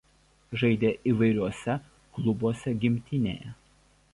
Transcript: Žaidė įvairiuose klubuose gimtinėje.